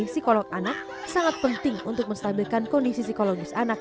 psikolog anak sangat penting untuk menstabilkan kondisi psikologis anak